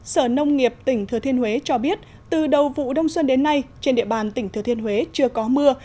sở nông nghiệp tỉnh thừa thiên huế cho biết từ đầu vụ đông xuân đến nay trên địa bàn tỉnh thừa thiên huế chưa có mưa